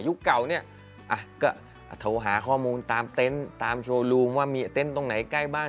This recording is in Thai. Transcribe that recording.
เก่าเนี่ยก็โทรหาข้อมูลตามเต็นต์ตามโชว์รูมว่ามีเต็นต์ตรงไหนใกล้บ้าน